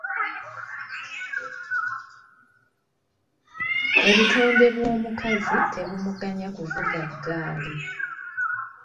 Obutonde bw’omukazi tebumuganya kuvuga ggaali.